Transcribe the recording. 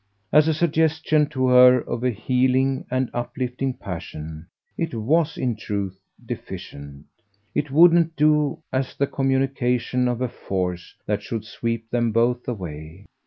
As a suggestion to her of a healing and uplifting passion it WAS in truth deficient; it wouldn't do as the communication of a force that should sweep them both away.